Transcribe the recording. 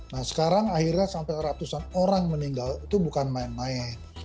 nah sekarang akhirnya sampai ratusan orang meninggal itu bukan main main